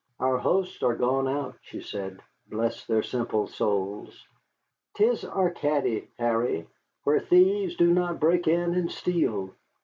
"Our hosts are gone out," she said, "bless their simple souls! 'Tis Arcady, Harry, 'where thieves do not break in and steal.